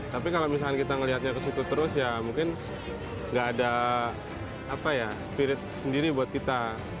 tapi kalau misalnya kita ngelihatnya kesitu terus ya mungkin gak ada apa ya spirit sendiri buat kita